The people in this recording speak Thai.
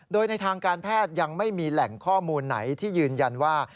โดยในทางการแพทย์ยังไม่มีแหล่งข้อมูลไหนที่ยืนยันว่า